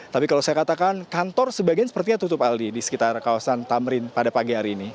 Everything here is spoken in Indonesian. tapi kalau saya katakan kantor sebagian sepertinya tutup aldi di sekitar kawasan tamrin pada pagi hari ini